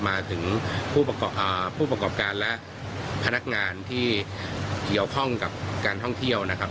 มาถึงผู้ประกอบการและพนักงานที่เกี่ยวข้องกับการท่องเที่ยวนะครับ